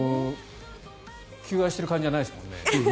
求愛している感じじゃないですもんね。